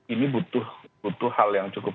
ini butuh hal yang cukup